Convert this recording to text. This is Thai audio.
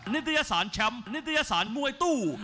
นิตยสารแชมป์นิตยสารมวยตู้